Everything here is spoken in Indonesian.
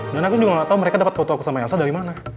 dan aku juga gak tau mereka dapat foto aku sama elsa dari mana